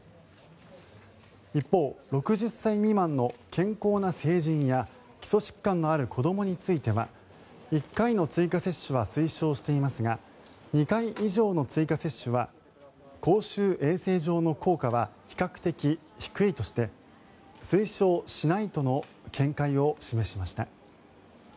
一方、６０歳未満の健康な成人や基礎疾患のある子どもについては１回の追加接種は推奨していますが２回以上の追加接種は公衆衛生上の効果は比較的低いとして推奨しないとの見解を示しました。